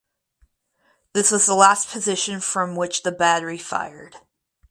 This was the last position from which the battery fired.